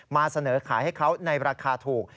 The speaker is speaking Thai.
มาเสนอขายให้เขาในราคาถูก